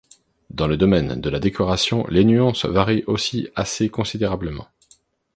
Dans le domaine de la décoration, les nuances varient aussi assez considérablement.